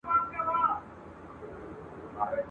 ور څرګند د رڼا ګانو حقیقت وي !.